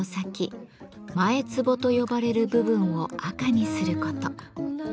「前つぼ」と呼ばれる部分を赤にすること。